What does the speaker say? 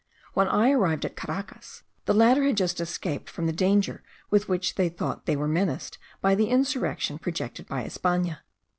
When I arrived at Caracas, the latter had just escaped from the danger with which they thought they were menaced by the insurrection projected by Espana.